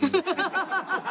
ハハハハハ！